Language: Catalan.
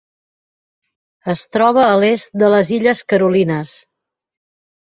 Es troba a l'est de les Illes Carolines.